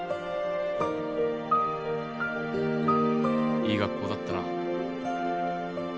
いい学校だったな。